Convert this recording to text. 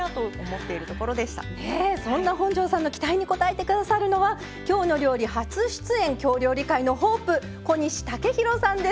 そんな本上さんの期待に応えて下さるのは「きょうの料理」初出演京料理界のホープ小西雄大さんです。